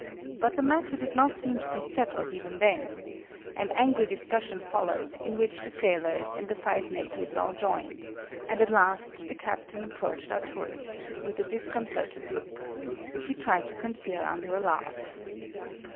But the matter did not seem to be settled, even then: an angry discussion followed, in which the sailors and the five natives all joined: and at last the Captain approached our tourists with a disconcerted look, which he tried to conceal under a laugh.